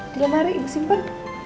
di lemari ibu simpen